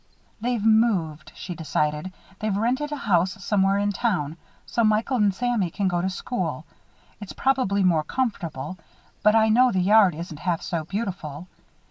"They've moved," she decided. "They've rented a house somewhere in town so Michael and Sammy can go to school. It's probably more comfortable, but I know the yard isn't half so beautiful.